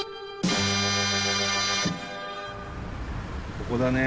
ここだね。